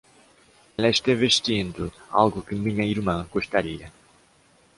Ela está vestindo algo que minha irmã gostaria.